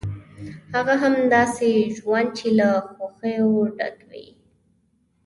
هغه هم داسې ژوند چې له خوښیو ډک وي.